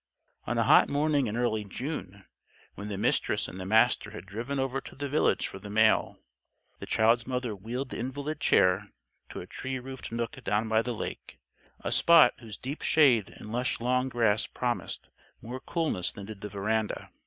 On a hot morning in early June, when the Mistress and the Master had driven over to the village for the mail, the child's mother wheeled the invalid chair to a tree roofed nook down by the lake a spot whose deep shade and lush long grass promised more coolness than did the veranda.